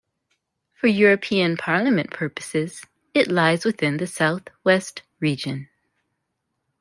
For European Parliament purposes, it lies within the South West Region.